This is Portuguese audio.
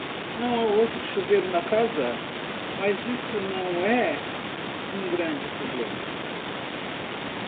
Não há outro chuveiro na casa, mas isso não é um grande problema.